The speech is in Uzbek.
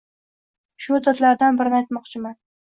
Shu odatlardan birini aytmoqchiman.